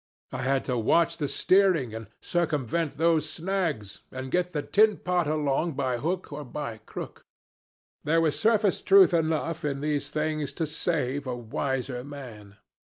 I had to watch the steering, and circumvent those snags, and get the tin pot along by hook or by crook. There was surface truth enough in these things to save a wiser man.